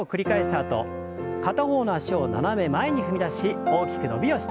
あと片方の脚を斜め前に踏み出し大きく伸びをして。